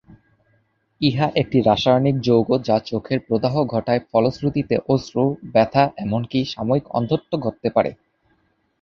ইহা একটি রাসায়নিক যৌগ যা চোখের প্রদাহ ঘটায় ফলশ্রুতিতে অশ্রু, ব্যথা এমনকি সাময়িক অন্ধত্ব ঘটতে পারে।